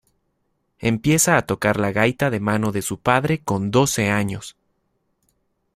Empieza a tocar la gaita de mano de su padre con doce años.